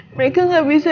mereka gak bisa